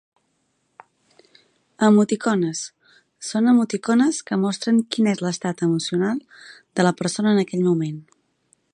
Emoticones: són emoticones que mostren quin és l'estat emocional de la persona en aquell moment.